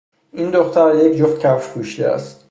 این دختر یک جفت کفش پوشیده است.